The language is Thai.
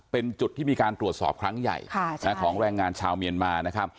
เป็นจุดที่มีการตรวจสอบครั้งใหญ่ของแรงงานชาวเมียนมานะครับ